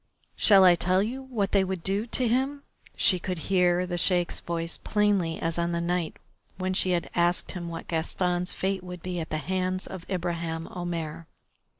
"Shall I tell you what they would do to him?" She could hear the Sheik's voice plainly as on the night when she had asked him what Gaston's fate would be at the hands of Ibraheim Omair.